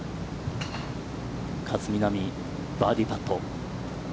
勝みなみ、バーディーパット。